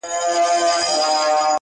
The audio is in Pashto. را لېږلي یاره دا خلګ خزان دي